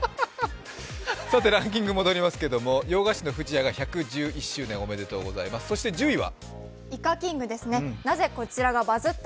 ランキング戻りますけれども、洋菓子の不二家が１１１周年、おめでとうございます１０位は？